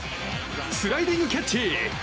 スライディングキャッチ！